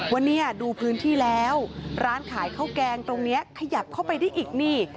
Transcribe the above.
วันนี้ดูพื้นที่แล้วร้านขายข้าวแกงตรงนี้ขยับเข้าไปได้อีกนี่